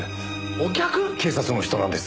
警察の人なんです。